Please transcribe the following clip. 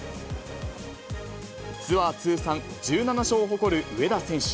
ツアー通算１７勝を誇る上田選手。